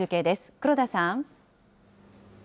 黒田さん。